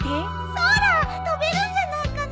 空飛べるんじゃないかな。